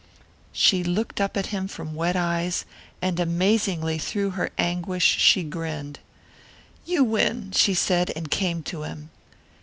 She looked up at him from wet eyes, and amazingly through her anguish she grinned. "You win!" she said, and came to him.